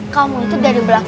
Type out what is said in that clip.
kamu itu dari berantakan